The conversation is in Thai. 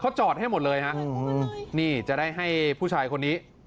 จอดให้หมดเลยฮะนี่จะได้ให้ผู้ชายคนนี้